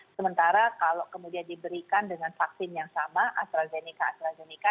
sementara kalau kemudian diberikan dengan vaksin yang sama astrazeneca astrazeneca